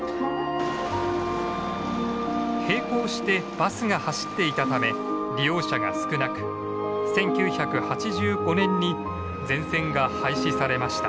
並行してバスが走っていたため利用者が少なく１９８５年に全線が廃止されました。